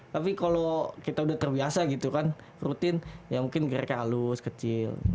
tapi kalau kita udah terbiasa gitu kan rutin ya mungkin geraknya halus kecil